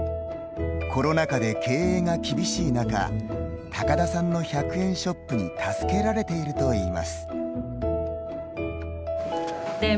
コロナ禍で経営が厳しい中高田さんの１００円ショップに助けられているといいます。